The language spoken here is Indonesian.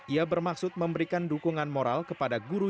ia bermaksud memberikan dukungan moral kepada guru